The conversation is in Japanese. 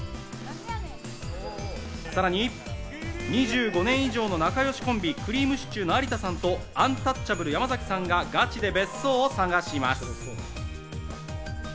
さらに２５年以上の仲良しコンビ・くりぃむしちゅーの有田さんとアンタッチャブル・山崎さんがガチで別荘を探します。